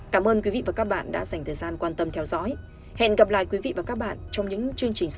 cảm ơn quý vị và các bạn đã dành thời gian quan tâm theo dõi hẹn gặp lại quý vị và các bạn trong những chương trình sau